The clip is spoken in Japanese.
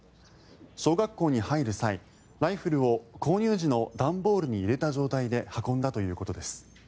小学校に入る際ライフルを購入時の段ボールに入れた状態で運んだということです。